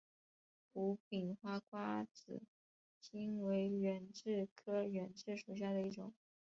无柄花瓜子金为远志科远志属下的一个种。